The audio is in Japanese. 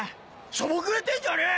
しょぼくれてんじゃねえ！